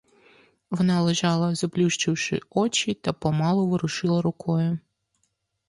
Вона лежала, заплющивши очі, та помалу ворушила рукою.